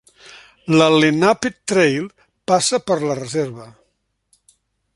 La Lenape Trail passa per la reserva.